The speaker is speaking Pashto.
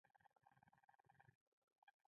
ګازونه کوم خاص شکل او مشخص حجم نه لري.